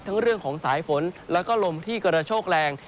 เรื่องของสายฝนแล้วก็ลมที่กระโชกแรง